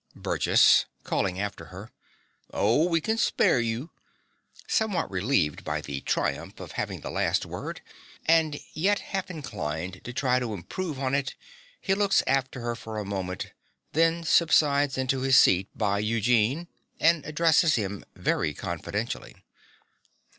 BURGESS (calling after her). Oh, we can spare you. (Somewhat relieved by the triumph of having the last word, and yet half inclined to try to improve on it, he looks after her for a moment; then subsides into his seat by Eugene, and addresses him very confidentially.)